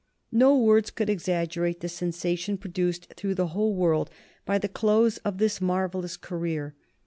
No words could exaggerate the sensation produced through the whole world by the close of this marvellous career.